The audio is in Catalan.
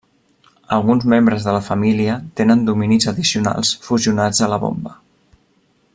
Alguns membres de la família tenen dominis addicionals fusionats a la bomba.